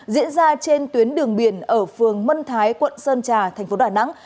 diễn ra trên tuyến đường biển ở phường mân thái quận sơn trà thành phố đà nẵng